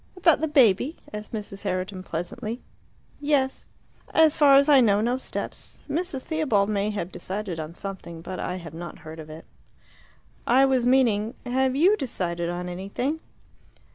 "About the baby?" asked Mrs. Herriton pleasantly. "Yes." "As far as I know, no steps. Mrs. Theobald may have decided on something, but I have not heard of it." "I was meaning, had you decided on anything?"